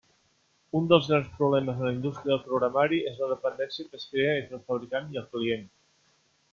Un dels grans problemes en la indústria del programari és la dependència que es crea entre el fabricant i el client.